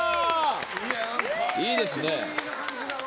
いいですね！